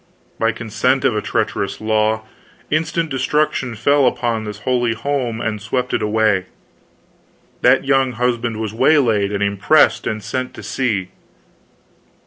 By consent of a treacherous law, instant destruction fell upon this holy home and swept it away! That young husband was waylaid and impressed, and sent to sea.